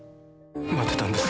待ってたんです